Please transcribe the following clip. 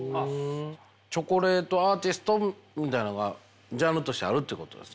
チョコレートアーティストみたいなんがジャンルとしてあるってことですか。